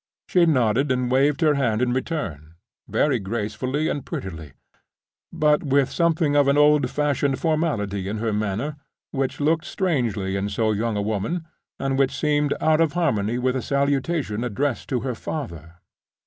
She nodded and waved her hand in return, very gracefully and prettily—but with something of old fashioned formality in her manner, which looked strangely in so young a woman, and which seemed out of harmony with a salutation addressed to her father.